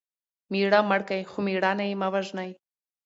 مېړه مړ کى؛ خو مړانه ئې مه وژنئ!